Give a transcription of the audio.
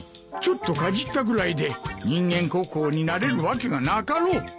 ちょっとかじったぐらいで人間国宝になれるわけがなかろう。